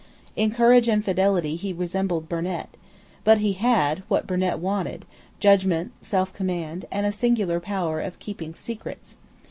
In courage and fidelity he resembled Burnet; but he had, what Burnet wanted, judgment, selfcommand, and a singular power of keeping secrets.